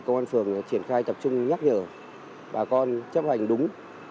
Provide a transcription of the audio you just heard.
cơ quan phường triển khai tập trung nhắc nhở bà con chấp hành đúng